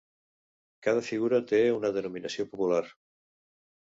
Cada figura té una denominació popular.